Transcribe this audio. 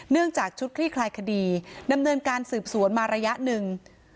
จากชุดคลี่คลายคดีดำเนินการสืบสวนมาระยะหนึ่ง